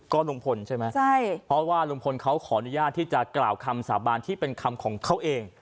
ก็ลุงพลใช่ไหมใช่เพราะว่าลุงพลเขาขออนุญาตที่จะกล่าวคำสาบานที่เป็นคำของเขาเอง